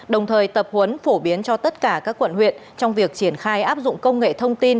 đồng thời tập huấn phổ biến cho tất cả các quận huyện trong việc triển khai áp dụng công nghệ thông tin